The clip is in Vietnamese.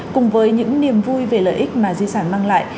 cùng với những niềm vui về lợi ích mà di sản mang lại